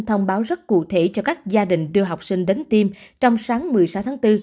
thông báo rất cụ thể cho các gia đình đưa học sinh đến tiêm trong sáng một mươi sáu tháng bốn